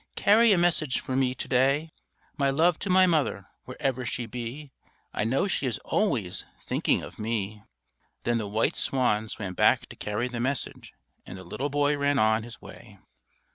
Carry a message for me to day: My love to my mother, wherever she be; I know she is always thinking of me_." Then the white swan swam back to carry the message, and the little boy ran on his way.